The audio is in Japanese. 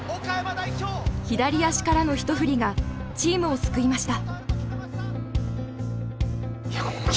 左足からの一振りがチームを救いました。